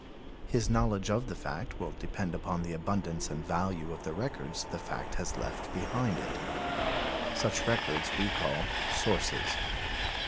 His knowledge of the fact will depend upon the abundance and value of the records the fact has left behind it. Such records we call sources.